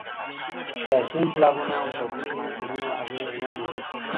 سیاسي انقلابونه په ډیرو ټولنو اغیزمن وو.